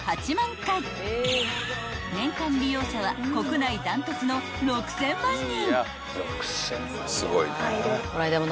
［年間利用者は国内断トツの６，０００万人］